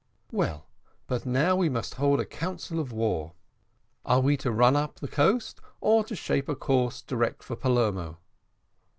"Well, but now we must hold a council of war. Are we to run up the coast, or to shape our course direct for Palermo?"